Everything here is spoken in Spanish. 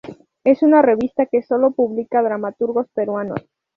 Es una revista que solo publica dramaturgos peruanos.